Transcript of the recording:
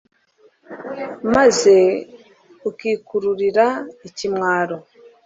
maze ukikururira ikimwaro